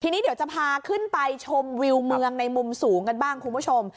ทีนี้เดี๋ยวจะพาขึ้นไปชมวิวเมืองในมุมสูงกันบ้างคุณผู้ชม